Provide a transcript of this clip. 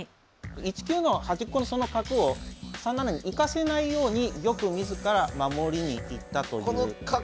１九の端っこのその角を３七に行かせないように玉自ら守りに行ったという手なんですね。